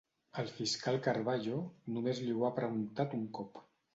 El fiscal Carballo només li ho ha preguntat un cop.